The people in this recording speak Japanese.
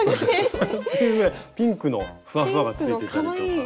ピンクのふわふわがついてたりとか。